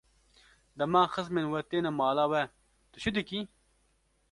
Dema xizmên we têne mala we, tu çi dikî?